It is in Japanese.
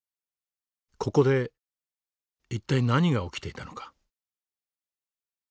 ここで一体何が起きていたのか。